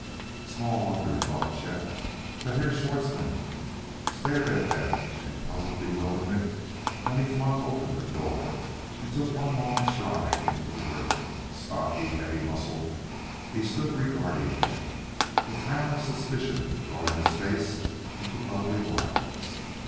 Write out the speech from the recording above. Small wonder, thought Chet, that Herr Schwartzmann stared at them in puzzled bewilderment when he flung open the door, and took one long stride into the room. Stocky, heavy muscled, he stood regarding them, a frown of suspicion drawing his face into ugly lines.